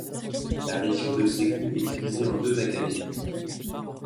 La région de Ségou est divisée en deux académies.